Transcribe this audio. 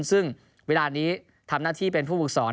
ซึ่งเวลานี้ทำหน้าที่เป็นผู้ฝึกสอน